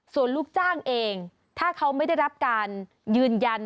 ส่วนลูกจ้างเองถ้าเขาไม่ได้รับการยืนยัน